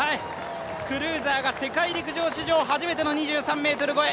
クルーザーが世界陸上史上初めての２３ｍ越え。